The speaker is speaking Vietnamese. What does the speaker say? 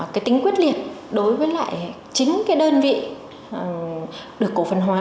cái tính quyết liệt đối với lại chính cái đơn vị được cổ phần hóa